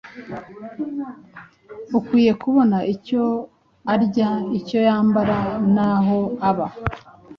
Akwiye kubona icyo arya, icyo yambara n’aho aba.